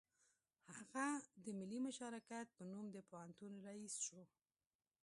هغه د ملي مشارکت په نوم د پوهنتون رییس شو